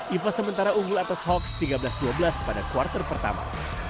evos sementara unggul atas hawks tiga belas dua belas pada quarter pertama